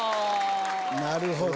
なるほど。